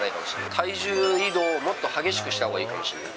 体重移動をもっと激しくしたほうがいいかもしれない。